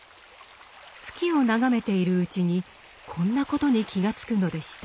月を眺めているうちにこんなことに気が付くのでした。